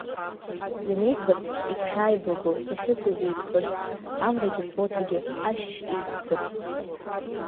Ианеиԥырҵ игәхьааибаго, иахьыцәаз еиԥхыӡт, Амрагьы смоҭагьы ашьыжь еиццәырҵт.